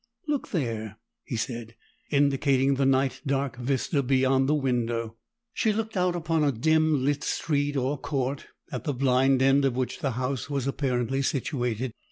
"Look there," he said, indicating the night dark vista beyond the window. She looked out upon a dim lit street or court, at the blind end of which the house was apparently situated.